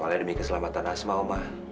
soalnya demi keselamatan asma oma